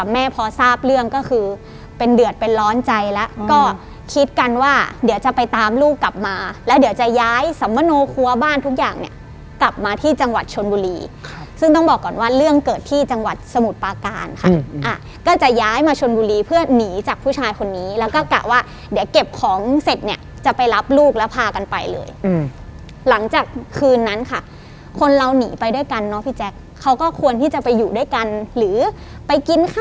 แม่พอทราบเรื่องก็คือเป็นเดือดเป็นร้อนใจแล้วก็คิดกันว่าเดี๋ยวจะไปตามลูกกลับมาแล้วเดี๋ยวจะย้ายสมโมโนครัวบ้านทุกอย่างเนี่ยกลับมาที่จังหวัดชนบุรีซึ่งต้องบอกก่อนว่าเรื่องเกิดที่จังหวัดสมุทรปาการค่ะอ่ะก็จะย้ายมาชนบุรีเพื่อหนีจากผู้ชายคนนี้แล้วก็กะว่าเดี๋ยวเก็บของเสร็จเนี่ยจะไป